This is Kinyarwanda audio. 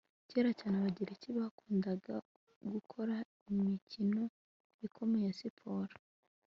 kera cyane, abagereki bakundaga gukora imikino ikomeye ya siporo